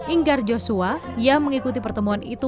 inggar joshua yang mengikuti pertemuan itu